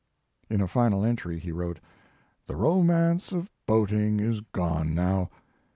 In a final entry he wrote: The romance of boating is gone now.